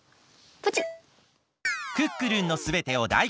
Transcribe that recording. ポチッ！